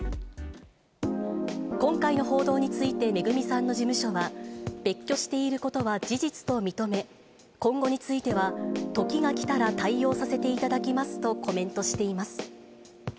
今回の報道について、ＭＥＧＵＭＩさんの事務所は、別居していることは事実と認め、今後については時が来たら対応させていただきますとコメントしています。